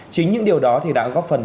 chính những điều đó thì đã góp phần